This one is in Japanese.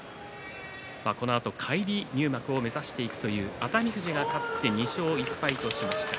このあと返り入幕を目指していく熱海富士が２勝１敗としました。